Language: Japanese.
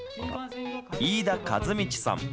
飯田和道さん。